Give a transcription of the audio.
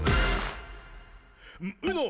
「ウノ！